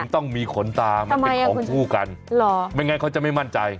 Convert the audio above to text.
ต้องมีขนตามันเป็นของคู่กันไม่งั้นเขาจะไม่มั่นใจ